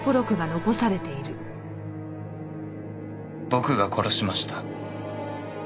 僕が殺しました。